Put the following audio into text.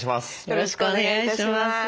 よろしくお願いします。